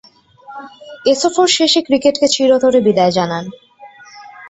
এ সফর শেষে ক্রিকেটকে চিরতরে বিদায় জানান।